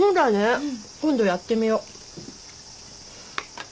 今度やってみよう。